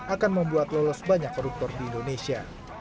akan membuat lolos banyak koruptor di indonesia